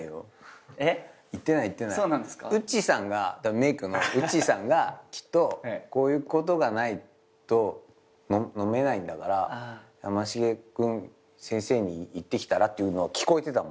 メークのウッチーさんがきっとこういうことがないと飲めないんだからやましげ君先生に言ってきたら？っていうのは聞こえてたの。